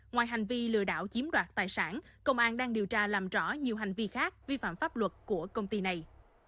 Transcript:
ngoài hành vi lừa đảo chiếm đoạt tài sản công an đang điều tra làm rõ nhiều hành vi khác vi phạm pháp luật của công ty này